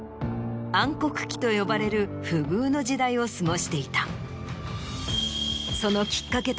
暗黒期と呼ばれる不遇の時代を過ごしていた。